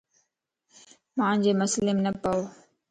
مانجي مسليم نه پئو